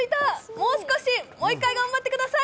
もう少し、もう一回頑張ってください。